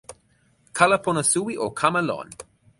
kala pona suwi o kama lon!